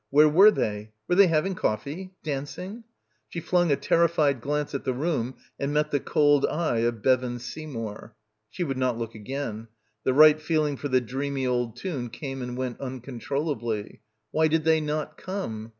Where were they? Were they having coffee? Dancing? She flung a terrified glance at the room and met the cold eye of Bevan Seymour. She would not look again. The right feeling for the dreamy old tune came and went uncontrollably. Why did they not come?